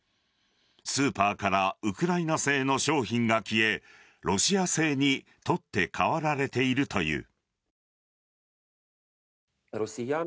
スーパーからウクライナ製の商品が消えロシア製に取って代わられているという。